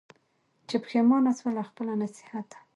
چي پښېمانه سوه له خپله نصیحته